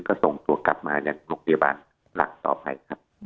ก็ส่งตัวกลับมายังโรงพยาบาลหลักต่อไปครับ